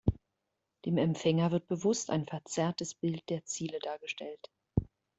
Dem Empfänger wird bewusst ein verzerrtes Bild der Ziele dargestellt.